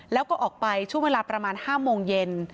แล้วก็ออกไปช่วงเวลาประมาณ๕โมงเย็น